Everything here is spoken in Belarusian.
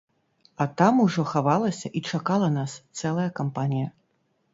А там ужо хавалася і чакала нас цэлая кампанія.